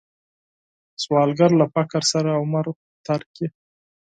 سوالګر له فقر سره عمر تیر کړی